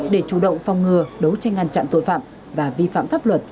để chủ động phòng ngừa đấu tranh ngăn chặn tội phạm và vi phạm pháp luật